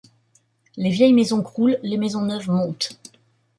Les vieilles maisons croulent, les maisons neuves montent.